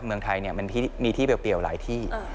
เมืองไทยมันมีที่เปรียวหลายที่